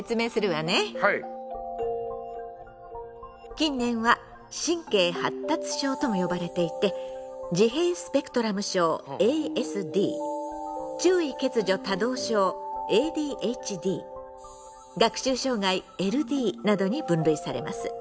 近年は「神経発達症」とも呼ばれていて「自閉スペクトラム症ＡＳＤ」「注意欠如多動症ＡＤＨＤ」「学習障害ＬＤ」などに分類されます。